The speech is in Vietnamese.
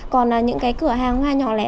còn những cái cửa hàng hoa nhỏ lẻ